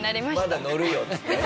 「まだのるよ」っつって？